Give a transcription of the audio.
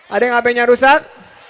ada yang ap nya rusak